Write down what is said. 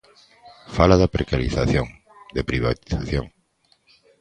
Fala de precarización, de privatización.